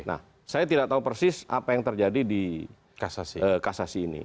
nah saya tidak tahu persis apa yang terjadi di kasasi ini